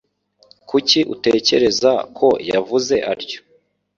Kuki utekereza ko yavuze atyo?